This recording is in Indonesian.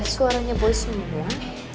suaranya boy semua